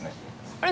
あれ？